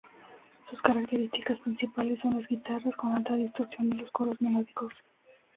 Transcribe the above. Sus características principales son las guitarras con alta distorsión y los coros melódicos.